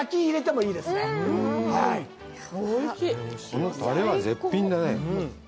このたれが絶品だね